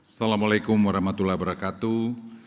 assalamu'alaikum warahmatullahi wabarakatuh